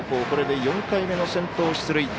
これで４回目の先頭出塁。